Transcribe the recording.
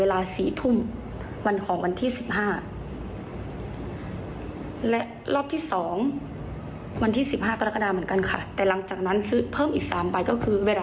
แล้วเขาก็ได้มีการส่งการแพ็คอะไรเรียบร้อยแล้วค่ะ